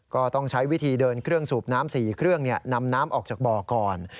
ก็ต้องใช้วิธีเดินเครื่องสูบน้ำ๔เครื่องนำน้ำออกจากบ่อก่อน